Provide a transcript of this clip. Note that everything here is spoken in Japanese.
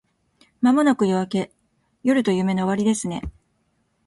間もなく夜明け…夜と夢の終わりですね